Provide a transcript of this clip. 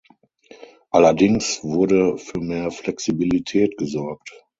Allerdings wurde für mehr Flexibilität gesorgt.